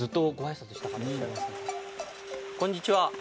こんにちは。